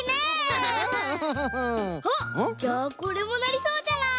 あっじゃあこれもなりそうじゃない？